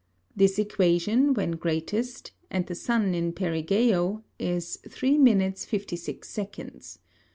This Equation, when greatest, and the Sun in Perigæo, is 3 Minutes, 56 Seconds.